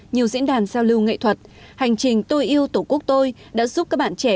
nhiều diễn đàn giao lưu nghệ thuật hành trình tôi yêu tổ quốc tôi đã giúp các bạn trẻ